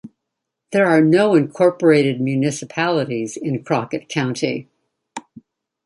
There are no incorporated municipalities in Crockett County.